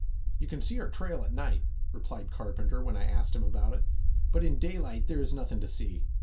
"You can see our trail at night," replied Carpenter when I asked him about it, "but in daylight, there is nothing to see.